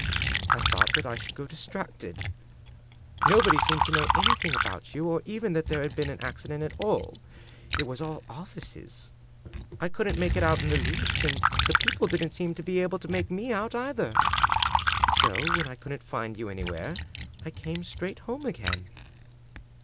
I thought that I should go distracted. Nobody seemed to know anything about you, or even that there had been an accident at all — ^it was all offices. I couldn't make it out in the least, and the people didn't seem to be able to make me out either. So when I couldn't find you anywhere I came straight home again."